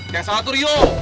yang salah tuh rio